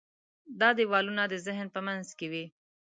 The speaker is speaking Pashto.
دا دیوالونه د ذهن په منځ کې وي.